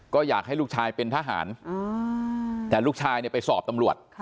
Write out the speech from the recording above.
ก็อยากให้ลูกชายเป็นทหารแต่ลูกชายเนี่ยไปสอบตำรวจ